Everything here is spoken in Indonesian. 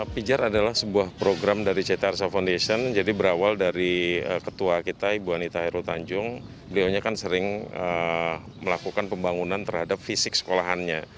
pijar adalah sebuah program dari ct arsa foundation jadi berawal dari ketua kita ibu anita heru tanjung beliau kan sering melakukan pembangunan terhadap fisik sekolahannya